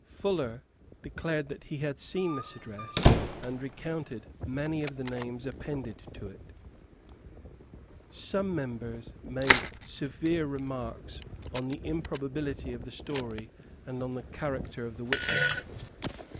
Fuller declared that he had seen this address, and recounted many of the names appended to it. Some members made severe remarks on the improbability of the story and on the character of the witness.